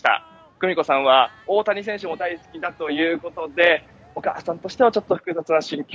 久美子さんは大谷選手も大好きだということでお母さんとしてはちょっと複雑な心境。